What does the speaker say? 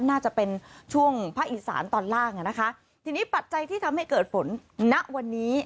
น่าจะเป็นช่วงภาคอีสานตอนล่างอ่ะนะคะทีนี้ปัจจัยที่ทำให้เกิดฝนณวันนี้